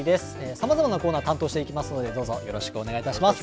さまざまなコーナー、担当していきますので、どうぞよろしくお願いいたします。